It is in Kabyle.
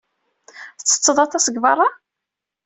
Tettetteḍ aṭas deg beṛṛa?